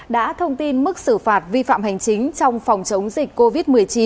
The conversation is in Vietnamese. đã thông tin mức xử phạt vi phạm hành chính trong phòng chống dịch covid một mươi chín